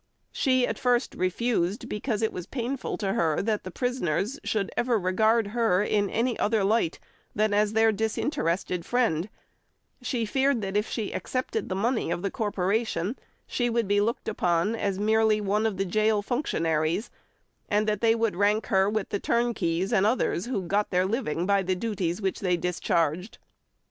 She at first refused, because it was painful to her that the prisoners should ever regard her in any other light than as their disinterested friend; she feared that if she accepted the money of the Corporation she would be looked upon as merely one of the gaol functionaries, and that they would "rank her with the turnkeys and others who got their living by the duties which they discharged."